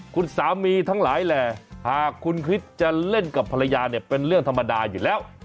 คุณสามีทั้งหลายแหล่หากคุณคริสจะเล่นกับภรรยาเนี่ยเป็นเรื่องธรรมดาอยู่แล้ว